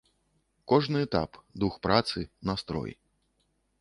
Кожны этап, дух працы, настрой.